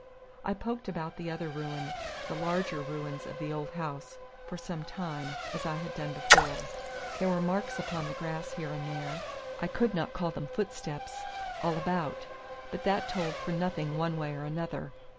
I poked about the other ruin the larger ruins of the old house for some time, as I had done before. There were marks upon the grass here and there I could not call them footsteps all about; but that told for nothing one way or another.